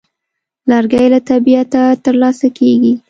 لرګی له طبیعته ترلاسه کېږي.